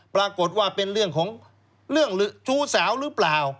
ปรากฏว่าเป็นเรื่องของเรื่องชู้สาวหรือเปล่า